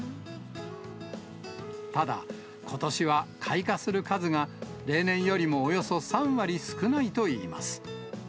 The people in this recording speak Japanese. ただ、ことしは開花する数が例年よりもおよそ３割少ないといいます。